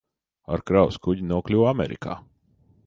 Ar kravas kuģi nokļuva Amerikā.